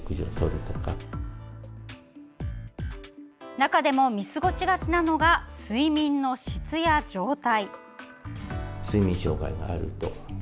中でも見過ごしがちなのが睡眠の質や状態。